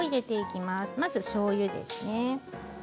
まず、しょうゆです。